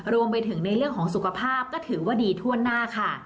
รวมไปถึงในเรื่องของสุขภาพก็ถือว่าดีทั่วหน้าค่ะ